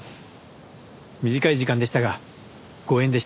短い時間でしたがご縁でした。